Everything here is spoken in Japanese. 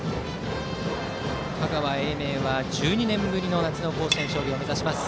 香川・英明は１２年ぶりの夏の甲子園、勝利を目指します。